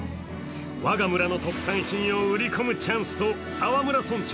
我が村の特産品を売り込むチャンスと澤村村長